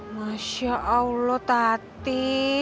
masya allah tati